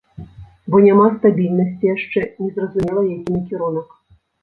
Бо няма стабільнасці яшчэ, незразумела, які накірунак.